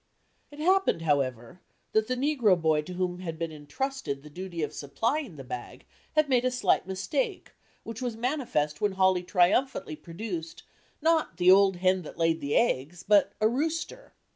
It happened, however, that the negro boy to whom had been intrusted the duty of supplying the bag had made a slight mistake which was manifest when Hawley triumphantly produced, not "the old hen that laid the eggs," but a rooster!